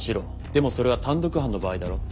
でもそれは単独犯の場合だろ？